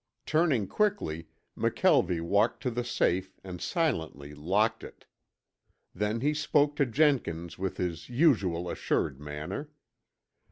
Turning quickly McKelvie walked to the safe and silently locked it. Then he spoke to Jenkins with his usual assured manner.